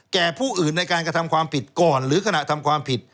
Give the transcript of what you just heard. แก่ผู้อื่นในการกระทำความผิดก่อนหรือขณะทำความผิด